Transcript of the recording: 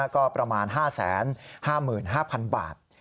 ก็ประมาณ๕๕๕๐๐๐บาท